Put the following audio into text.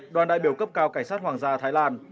đoàn đại biểu cấp cao cảnh sát hoàng gia thái lan